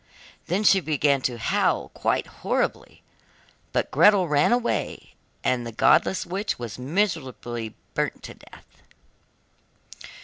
then she began to howl quite horribly, but Gretel ran away and the godless witch was miserably burnt to death.